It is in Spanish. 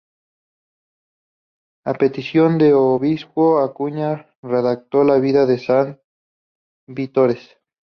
A petición del obispo Acuña redactó la "Vida de San Vitores".